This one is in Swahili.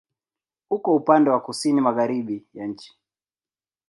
Uko upande wa kusini-magharibi ya nchi.